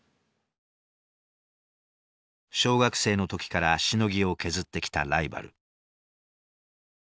小学生の時からしのぎを削ってきたライバル。